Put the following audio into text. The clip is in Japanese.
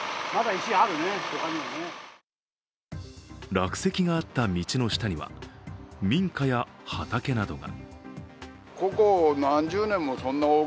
落石があった道の下には民家や畑などが。